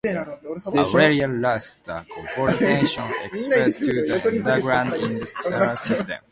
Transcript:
Aurelia lures the corporation executives to the underground in the sewer system.